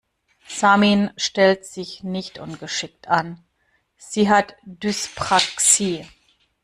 Samin stellt sich nicht ungeschickt an, sie hat Dyspraxie.